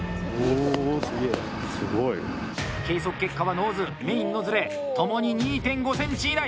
計測結果はノーズ、メインのズレともに２．５ｃｍ以内。